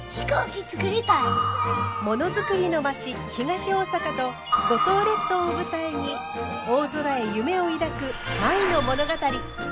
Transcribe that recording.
ものづくりの町東大阪と五島列島を舞台に大空へ夢を抱く舞の物語。